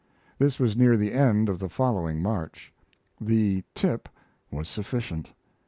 This was near the end of the following March. The "tip" was sufficient.